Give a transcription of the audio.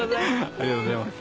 ありがとうございます。